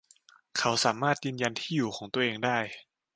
เขาสามารถยืนยันที่อยู่ของตัวเองได้